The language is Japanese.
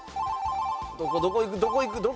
どこ行くどこ行く？